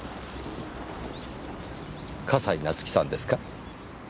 笠井夏生さんですか？